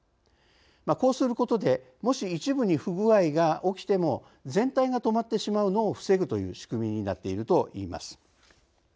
こうすることでもし一部に不具合が起きても全体が止まってしまうのを防ぐという仕組みになっているといいます。